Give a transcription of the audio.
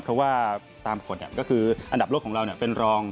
เพราะว่าตามกฎก็คืออันดับโลกของเราเป็นรอง